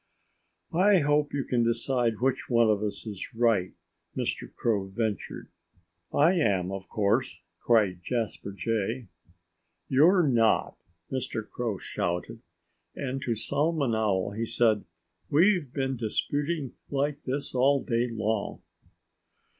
"I hope you can decide which one of us is right," Mr. Crow ventured. "I am, of course!" cried Jasper Jay. "You're not!" Mr. Crow shouted. And to Solomon Owl he said, "We've been disputing like this all day long."